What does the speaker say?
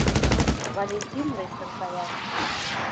Валентин лектын кая.